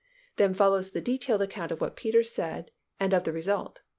Then follows the detailed account of what Peter said and of the result.